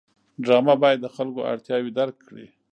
ډرامه باید د خلکو اړتیاوې درک کړي